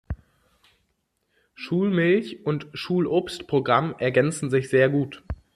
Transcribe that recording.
Schulmilch- und Schulobstprogramm ergänzen sich sehr gut.